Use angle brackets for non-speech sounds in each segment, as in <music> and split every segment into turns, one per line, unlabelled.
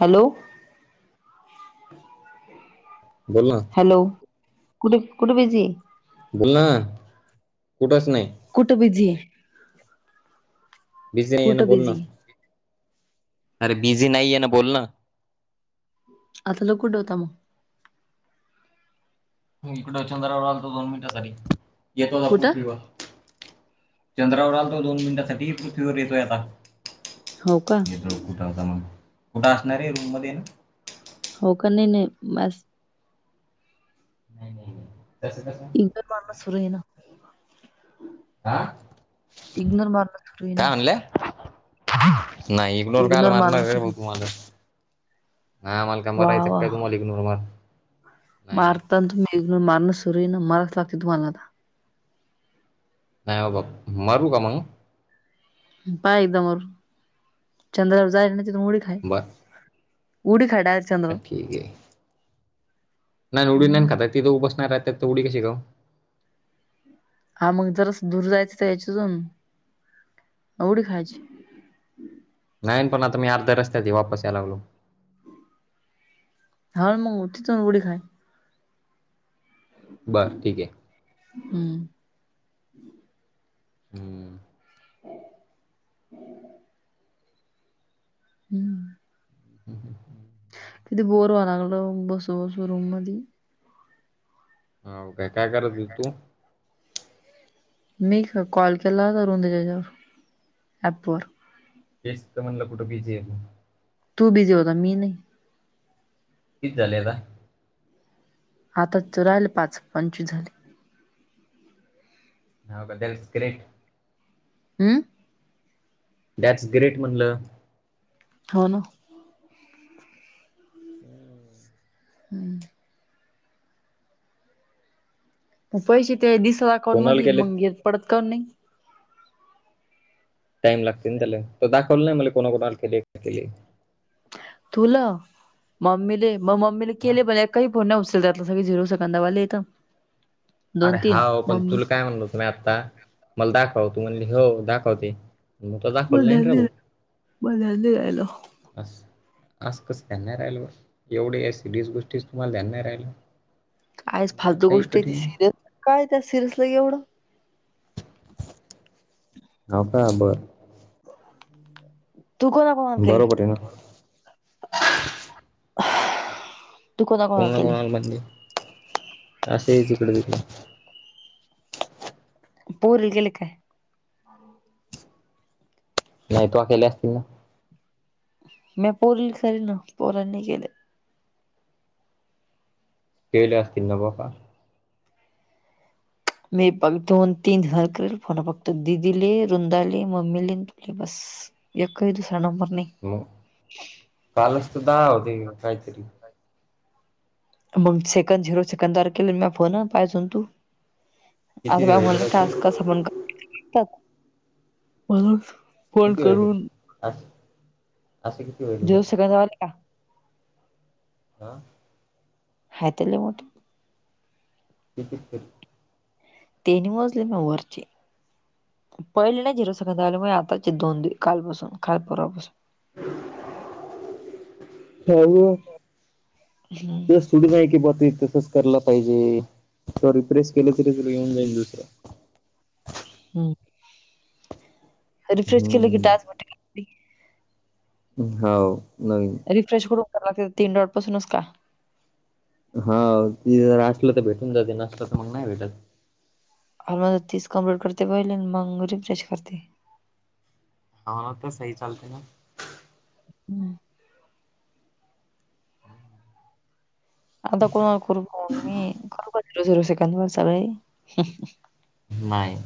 Hello
बोल ना
hello कुठे कुठ बिझीय
बोल ना कुठच नाही
कुठ बिझीय
बिझी नाहीयेना
कुठं
बोल
बिझी
ना
आहे?
अरे बिझी नाहीयेना बोल ना
आता ल कुठं होताम
इकड चंद्रावर आलतो दोन मिनिटा साठी येतो आता
कुठं?
पृथ्वीवर चंद्रावर आलता दोन मिनिटांसाठी पृथ्वीवर येतोय आता
हो का
कुठं होता मग कुठं असणार आहे रूम मध्ये ना
हो का नाही नाही बस
अहं अहं.
<unintelligible>
हा काय
<unintelligible>
म्हणल्या नाही इग्नोर कायला
मारणं
मारणारे
सुरू
भाऊ तू माझं. नाय आम्हाला काय
आहे वा
मारायचं का तुम्हाला इग्नोर मारून.
मारतान तुम्ही इग्नोर मारण सुरी आये ना मरावंच लागत तुम्हाला आता.
नाही बाबा मारू का मंग?
पाह एकदा मारून चंद्रावर जाईन तिथून उडी खाईन.
बर
उडी खा डाएट.
ठीक आहे नाही ना उडी नाही ना खाता तिथं उभाच नाही रहाता येत त उडी कशी खाऊ?
हा मग जरासं दूर जायचं जायचं अजून उडी खायची.
नाही पण आता मी अर्ध्या रस्त्यातय वापस यायला लागलो.
हा मगं तिथून उडी खाय.
बर ठीक आहे.
हम्म <inaudible>
हम्म <inaudible>
<unintelligible> हम्म <inaudible>
ह हम् हम हम् <inaudible>
तिथे बोर होयला लागलं बसू बसू रूममधी.
हां काय काय करत होती तू?
मिक्स कॉल <unintelligible> ॲपवर.
तेच त म्हणलं कुठं बिझीएका?
तू बिझी होता मी नाई.
किती झालेय आता?
आता त पाच पंचवीस झाले.
हा बदल तिकडे
हम.
दॅट्स ग्रेट म्हणलं.
हो ना.
हम.
हम्म. म पैसे ते दिसलं अकाउंट
कोणाला
मधी
केले
मंग येत पडत का नाई.
टाइम लागतो ना त्याला त दाखवलं नाही मला कोणाकोणाला आलत ते पयले.
तुला मम्मी म मम्मीने
हा?
केले <unintelligible> काई फोन नाही उचलत सगळी झिरो सेकंदा वाले इथं.
आरे हावं पण तुल काय म्हणल होतं मी आत्ता मल दाखव तू म्हणली हो दाखवते. मं तूआ दाखवलं नाय ना
राहिलो
<unintelligible> आसं आसं कसं ध्यान नाही राहिल बा एवढ्या सिरियस गोष्टीच तुम्हाला ध्यान नाय राहिलं.
आज
म्हणल्यावर
फालतू
काही
गोष्ट आहे ती
कठीण
सिरियस काय त्या सिरियसला एवढं.
हो का बरं.
तू कोण आ
बरोबर आहे ना.
<unintelligible> कोणाला
कोणा ना
केले
कोणाल म्हणजे आसं आहे तिकडं तिकडं.
पोरी गेलं काय?
नाही तो केले असतील ना.
म्या पोलिस आय ना पोरांनी केलंय.
केेले असतील ना बाबा.
मी पन दोन तीन घर करल फोन फक्त दीदीले रुंदाले मम्मी ले न तु बस. एकही दुसरा नंबर नाही <unintelligible>
मग कालच तर दहा होते काहीतरी <unintelligible>
मग सेकंद झिरो सेकंदार केलं फोन पाय सून तू <unintelligible>
किती
आता म
व्हायले
म्हला
त्याचे
टस् कस पण करतात <inaudible> <unintelligible>
किती व अस अस क <unintelligible>
जरू सकां वाला <unintelligible>
हा <unintelligible>
हय तले मोठ <unintelligible>
किती <unintelligible>
तेनी वाजले म वरचे <unintelligible> पहिले नाही झिरोसक आलेमुळे आताचे दोन दि कालपासून काल पूर्वापासून <unintelligible>
हऊ <unintelligible>
<inaudible> <unintelligible>
तस थोडी जा आहे की ब त तसच कला पाहिजे सॉरी प्रेस केलं तरी तुला येऊन जाईल दुसर
हम् रिफ्रेश केले कि टास
हम्म
म्ह <unintelligible>
हो नवीन <unintelligible>
रिफ्रेशकडूनय लागते तीन रोटपासूनच का <unintelligible>
हा ती जर असल तर भेटून जाते नसत तर मग नाही भेटत <unintelligible>
अलमज तीस कम्प्लीट करते बहिले मग रिफ्रेश करते <unintelligible>
हा तर स चालते ना <unintelligible>
हम् <unintelligible> आता कोणाला करू फोन मी करू झिरो झिरो सेकड वर सगळे <unintelligible>
नाय <unintelligible>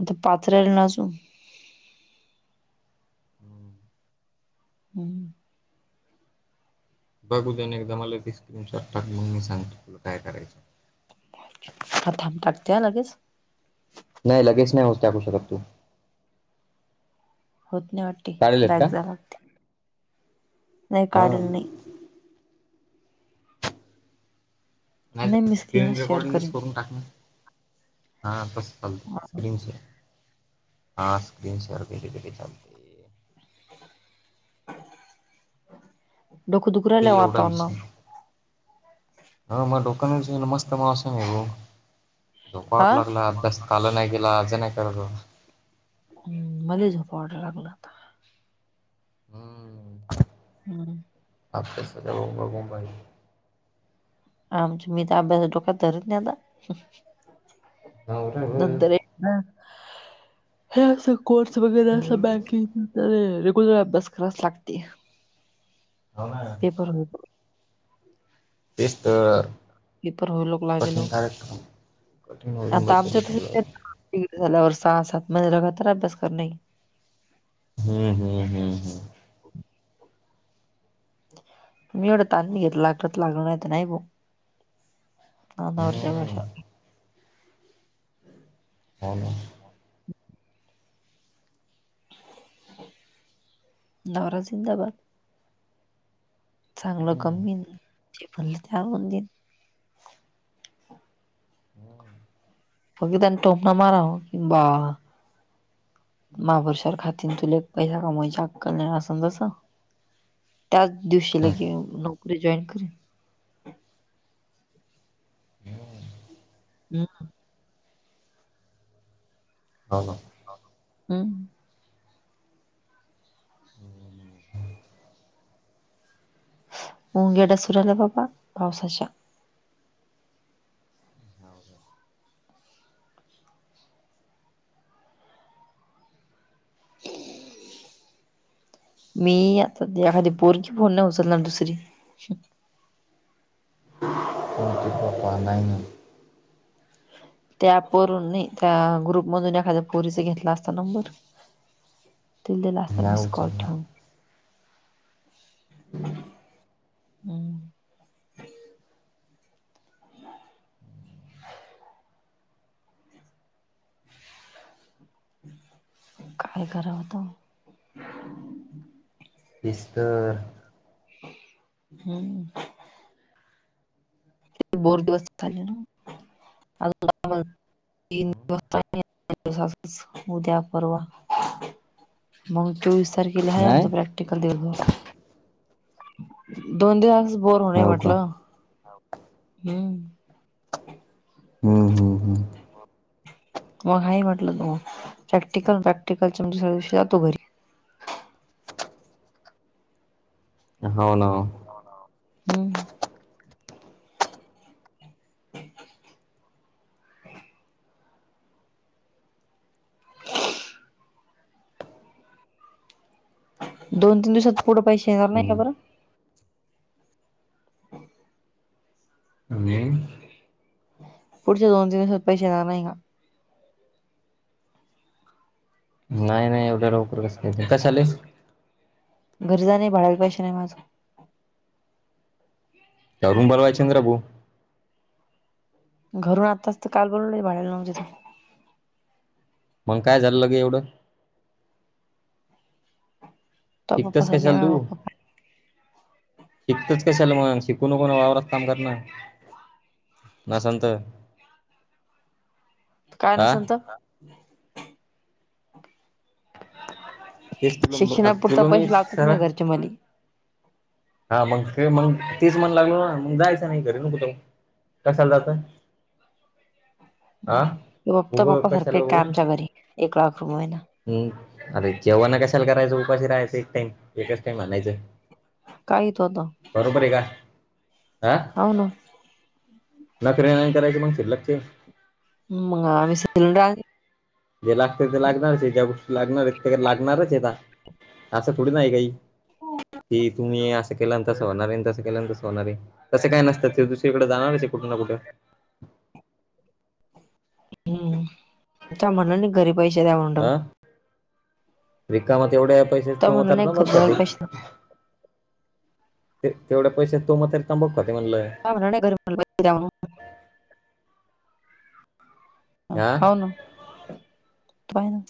आता पाच राहिलेनासून <unintelligible>
हम्म <unintelligible>
हम्म <unintelligible>
बघू द एकदा मला दिस त चार टाकून मी सांगतो तुला काय करायचं <unintelligible>
हथांब टाकते हा लगेच <unintelligible>
नाही लगेच नाही होत टाकू शकत तू <unintelligible>
होत नाही वाटी
काढेल आहेत का
बॅग झाला लागत <unintelligible> नाही
हा
काढल नाही <unintelligible>
नाही
मी
स्क्रीन
स्क्रीनच शेअर
रेकॉर्डिंगच
करीन
करून टाकणार <unintelligible> हा बस चालत स्कन शर हा स्कन शेअर वरे व चालत <unintelligible>
डोक दुकू
ते
राहिला
एवढा
वातावरण <unintelligible>
ह म डोका मस्त मावस नाही आहे ग जो पाट
हा
लागला अभ्यास <unintelligible> काल नाही गेला अज नाही करात <unintelligible>
हम् मला झो पावडर लागलाता <unintelligible>
हम्म <unintelligible>
हम्म <unintelligible>
आपस बबा बंबई <unintelligible>
आमच मी तर अभ्यास डोक्यात धरत नाही आता <unintelligible>
नवरा हो
नंतर हे सु <unintelligible> कोर्स वगैरे असला बँकिंग तर रेग्युलर अभ्यास करास लागते <unintelligible>
हो ना
तेपर <unintelligible>
तेस्त
होईलोक
कठीनी
लागेलोक
कार्यक्रम <unintelligible> कठीणवीून बलीलं <unintelligible>
िग झाल्यावर सहा सात महि रघा तर अभ्यास कर नाही <unintelligible>
हम्म हम्म हम्म हम्म <unintelligible>
म्ही एवढं ताणणी घेतला लाग लागल नाही तर नाही ब <unintelligible> आना उर्च्या
हम्म
भाषा <unintelligible>
हो ना <unintelligible> <unintelligible> <unintelligible> <unintelligible>
नवरा जिंदाबाद <unintelligible> चांगलं
हम्म
कमी जे भरले ते आवून देईन
होम् <unintelligible>
मगि त्यांनी टोपणा मारा किं बा महाबुरशवर खातीन तुला एक पैसा कमावायची अक्कल असन तसं त्याच दिवशीला
हम्म
की नोकरी जॉईन करेन
हम्म
हम <unintelligible>
ह ह <unintelligible>
हम् <unintelligible> मुंगेड सुर आला बाबा पावसाच्या
हो का <unintelligible>
हम् <unintelligible> मी आता त्याखादी पोरगी फोन नाही उचलणार दुसरी
कप पाण्यान <unintelligible>
त्या प वून त्या ग्रुप मधून एखाद्या पोरीचा घेतला असता नंबर <unintelligible> त दिला असता
नाही
मीस कर
उचलणार
ठे <unintelligible>
हम्म <unintelligible>
हम्म <unintelligible> काय करावत
बिस्तर <unintelligible>
हम्म <unintelligible> बोर दिवस झाचाले ना तीन दिवस दिवच उद्या परवा <unintelligible> मग चोवीस तारखेला आहे
नाही
आमच प्रॅक्टिकल देवभ दोन दिवस बोर होणे
हो का
म्हटलं हम्म <unintelligible>
हम्म हम्म हम् <unintelligible>
ग हा म्हटलं त प्रॅक्टिकल प्रॅक्टिकल म्हणज स जातो घरी
होन <unintelligible>
हम <unintelligible> हम दोन तीन दिवसात पुढं पैसे येणार नाही
हम्म
का बरं ह <unintelligible>
आणि <unintelligible>
पुढच दो त दि स्वप पैसेणार <unintelligible>
नाही नाही एवढ्या लवकर कस कंले
गरजा नाही भडायला पैशा नाही माझं <unintelligible>
अून बलवाय चंद्र भाू <unintelligible>
घरून आताच तर काल बोलवलं भाडयला नज
मग काय झालं ल गे एवढं <unintelligible>
तो पप्पा
शिकतास
सारखे
काशाल
आहे
तू
म पप्पा
<unintelligible> शिकतच कशाला मग शिकू नको वावरात काम करणार ना संत
काय नसलत <unintelligible>
हेच तुला आता
शिक्षणाप पुरता
तुला मी
पैसे लागतात
सर
ना घरच्या मली
हा मग मग तीच मन लागल ना मग जायचं नाही घरी नकुतं कशाला जातं <unintelligible>
पप्पा
उगं
पप्पा
कशाला
सारख्या एक कामच्या घरी एक लाख रुमय ना <unintelligible>
हम् अरे जेवणा कशाला करायचं उपाशी राहायचं एक टाइम एकच टाइम आणायचं <unintelligible>
काही तो आता <unintelligible>
बरोबर आहे का हं
हो ना
नकरे नाही करायची मंग शुल्लकचे
मंग आम्ही <unintelligible>
जे लागत ते लागणारच ज्या गोष्टी लागणार आहेत ते लागणारच आहे ता असं थोडी नाआहे काही ते तुम्ही अस ते केल्यां तंस होणार ये आणि तसं केल्यां तसं होणार ये तंस काय नसतं ते दुसरीकडे जाणार ये कुठं ना कुठं.
हम्म त्या मनानी घरी पैसे द्या म्हंड
रिकाम तेवढ्या पैशाच तो
म्हणला
म्हतार
नाही घरी
तंबाकू
द्यायला
खातंय.
पैसे
ते तेवढ्या पैशांत तो म्हातारी तांबकु खातंय म्हणलं
तुम्ही म्हणलं नाय घरी पैसे दया म्हणून अ
हा
हाव न पाय न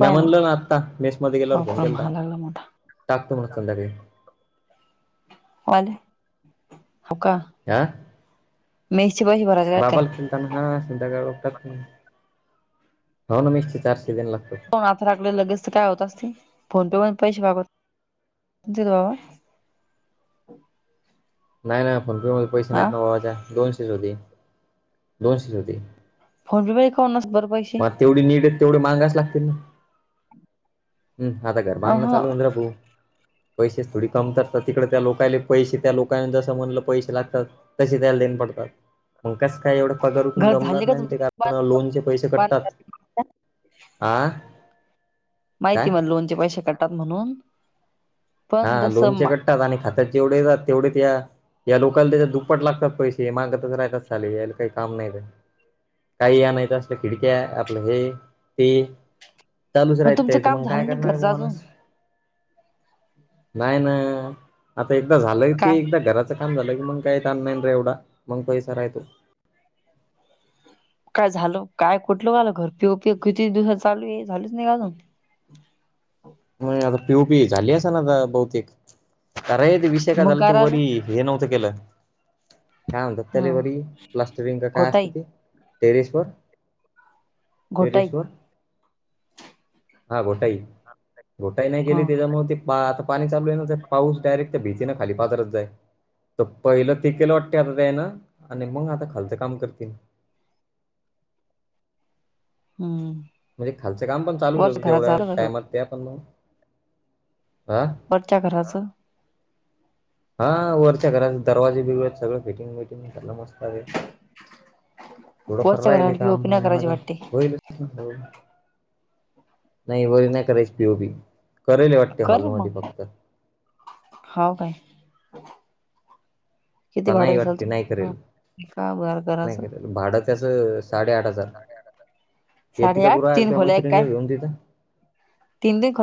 म्या म्हणलं ना आत्ता मेस मध्ये गेल्यावर फोन
बापरे
केलता
महाग लागला मोठा
टाकतो म्हण संध्याकाळी
आले हाव का
आ
मेसचे पैसे भरायचे
बाबा
काय
ला केला त्या म्हणलं हा संध्याकाळ टाकतो हाव ना म चारशे दयायला लागतो.
कां मं आता टाकले लगेच तर काय होत असतंय फोन पे मधून पैसे बाबाला तुमचेच बाबा
नाय नाय फोन पे मध्ये पैसे
हा
नाहीत ना बाबाच्या दोनशेच होते दोनशेच होते.
फोन पे बाई काऊंणच बरं पैसे
मग तेवढी नीड य तेवढी मांगाच लागतील ना हम् आता घर बांधणं
अह
चालू होईल ना भु पैसे थोडी कमी करतात तिकडे त्या लोकले पैसे त्या लोकां जसं म्हणलं पैसे लागतात. तसे त्याला देन पडतात मग कस काय एवढे पगार उथून
घर
जमणार
झाले का
नाय ना ते
तुमचं बांध
कारण लोनचे पैसे कट काय
माहिती मला लोनचे पैसे कट तात म्हणून पण
हा
जसं
लोनचे
मा
कटतात आणि खात्यात जेवढे येतात तेवढेच या या लोकला त्याच्या दुप्पट लागतात पैसे मागंतच राहतात साले यायला काही काम नाही काही आणायचे असलं खिडक्या आपलं हे ते चालुच
पण
राहट
तुमचं
त्याचं
काम
मंग काय
झालं नाही
करणार
घरचं
बुआ
अजून
माणूस नाय ना आता एकदा झालं ते
काय
एकदा घरात काम झालं की मग काय ताण नाय ना एवढा मंग पैसा रायतो.
काय झाल काय कुठल वाल घर पिओ पि किती दिवसात चालू ये झालच नाय का अजून
होय आता पि ओ पी झाली असणं आता बहुतेक कराय ते विषय काय
मग
झाला ते
राहिलं
वरी हे नव्हतं केलं काय म्हणतात त्याले
हा
वरी प्लास्टरिंग का काय असत
घोटाई
ते टेरिसवर
घोटाई
टेरिसवर हा घोटाई घोटाई नाही
हा
केली त्याच्यामुळे त ते आता पाणी चालू आहे ना पाऊस डायरेक्ट भितीने खाली पाजरत जाय त पहिलं ते केल वाटत त्यान आणि मंग आता खालचं काम करते.
हम्म हम्म -
म्हणजे खालचं काम पण चालूच होतं तेवढ्या टायमात त्या पण मंग हा
वरच्या घराचं
हा वरच्या घराचे दरवाजे बिरवा जे सगळे फिटिंग बिटिंग झाल मस्त आहे. थोडंफार
वरच्या
राहिलय
घराला
काम
पीओपी
पण
नाही
मंग
करायची
आता
वाटते
होईल हो नाही वरी नाय कराच पि ओ पी करीले वाटते
कर रे
हॉलमध्ये
मग
फक्त
हाव काय किती
का
भाड
नाही
असाल
वाटते नाही करेल
का बर
नाही
घराचं
करेल भाडं त्याच साडे आठ हजार येती का
साडेआठ
तू
तीन
त्या मैत्रिणीला घेऊन तिथं
तिनं दे खल